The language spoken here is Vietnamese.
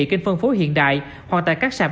kênh phân phối hiện đại hoặc tại các sạp